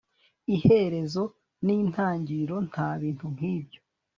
Iherezo nintangiriro nta bintu nkibyo